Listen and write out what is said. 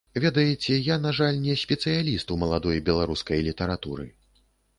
Ведаеце, я, на жаль, не спецыяліст у маладой беларускай літаратуры.